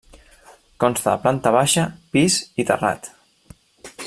Consta de planta baixa, pis i terrat.